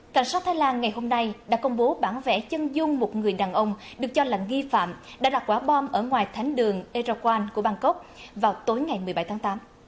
cảnh sát thái lan ngày hôm nay đã công bố bản vẽ chân dung một người đàn ông được cho là nghi phạm đã đặt quả bom ở ngoài thánh đường eraqan của bangkok vào tối ngày một mươi bảy tháng tám